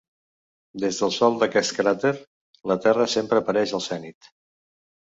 Des del sòl d'aquest cràter, la Terra sempre apareix al zenit.